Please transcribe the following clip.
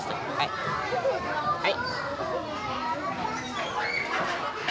はい。